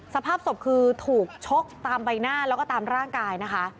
สภาพศพคือถูกชกตามใบหน้าแล้วก็ตามร่างกายนะคะ